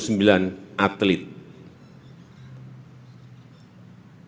dengan kebanyakan atlet yang berkelanjutan di kampuji